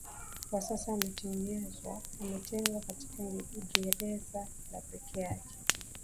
kwa sasa ametengwa katika ngereza la peke yake